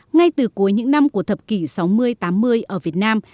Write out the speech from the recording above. ngay từ cuối những năm của thập kỷ sáu mươi tám mươi ở việt nam